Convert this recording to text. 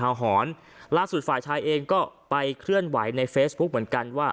หอนล่าสุดฝ่ายชายเองก็ไปเคลื่อนไหวในเฟซบุ๊กเหมือนกันว่า